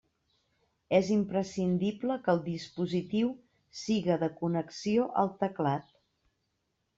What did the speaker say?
És imprescindible que el dispositiu siga de connexió al teclat.